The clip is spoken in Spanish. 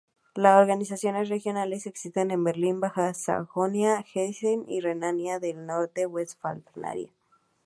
Las organizaciones regionales existen en Berlín, Baja Sajonia, Hesse y Renania del Norte-Westfalia.